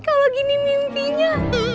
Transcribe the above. kalau gini mimpinya